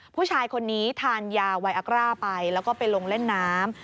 ผู้ชายคนนี้ทานยาไวอักร่าไปแล้วก็ไปลงเล่นน้ำ